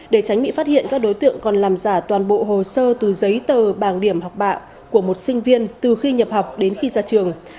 để tránh bị phát hiện các đối tượng còn làm giả toàn bộ hồ sơ từ giấy tờ bảng điểm học bạ của một sinh viên từ khi nhập học đến khi ra trường